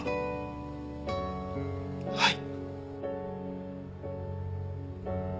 はい。